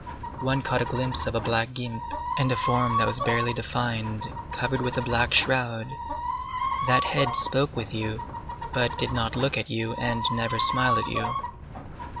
One caught a glimpse of a black guimpe, and a form that was barely defined, covered with a black shroud. That head spoke with you, but did not look at you and never smiled at you.